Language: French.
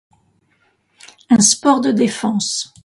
Un sport de défense.